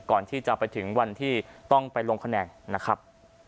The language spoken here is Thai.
ก่อนที่จะไปถึงวันที่ต้องไปลงคะแนนนะครับ